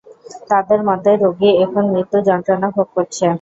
তাদের মতে, রোগী এখন মৃত্যু যন্ত্রণা ভোগ করছে।